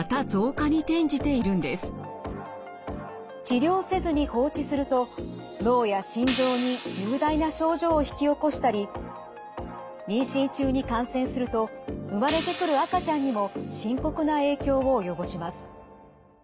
治療せずに放置すると脳や心臓に重大な症状を引き起こしたり妊娠中に感染すると生まれてくる赤ちゃんにも深刻な影響を及ぼします。